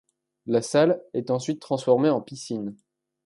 La salle est ensuite transformée en piscine.